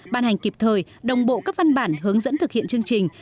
ban hành kịp thời đồng bộ các văn bản hướng dẫn thực hiện chương trình